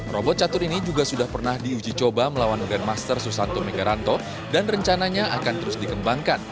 robot catur ini juga sudah pernah diuji coba melawan grandmaster susanto megaranto dan rencananya akan terus dikembangkan